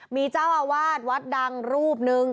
มีเจ้าอาวาสวัดดังรูปนึง